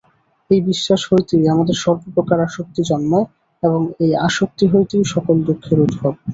এই বিশ্বাস হইতেই আমাদের সর্বপ্রকার আসক্তি জন্মায় এবং এই আসক্তি হইতেই সকল দুঃখের উদ্ভব।